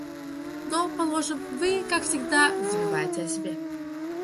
Но, положим, вы, как всегда, забываете о себе.